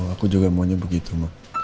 aku juga maunya begitu mbak